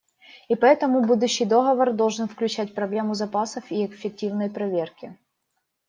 И поэтому будущий договор должен включать проблему запасов и эффективной проверки.